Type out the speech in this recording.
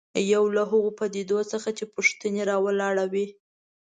یو له هغو پدیدو څخه چې پوښتنې راولاړوي.